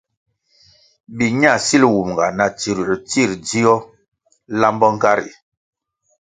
Biña sil wumga na tsirųer tsir dzio lambo nga ri.